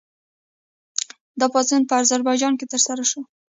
دا پاڅون په اذربایجان کې ترسره شو.